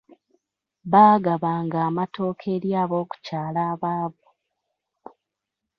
Baagabanga amatooke eri ab’okukyalo abaavu.